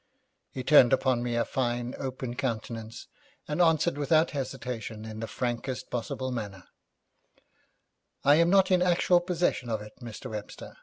He turned upon me a fine, open countenance, and answered without hesitation in the frankest possible manner, 'I am not in actual possession of it, Mr. Webster.